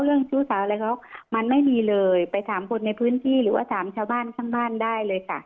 ชู้สาวอะไรเขามันไม่มีเลยไปถามคนในพื้นที่หรือว่าถามชาวบ้านข้างบ้านได้เลยค่ะ